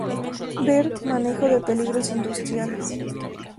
Ver Manejo de Peligros Industriales.